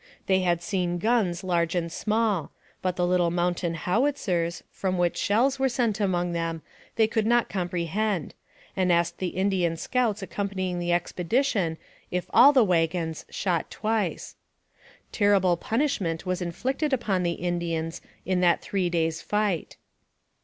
They had seen guns large and small, but the little mountain howitzers, from which shells were sent among them, they could not comprehend, and 264 NARRATIVE OF CAPTIVITY asked the Indian scouts accompanying the expedition if all the wagons " shot twice." Terrible punishment was inflicted upon the Indians in that three days' fight.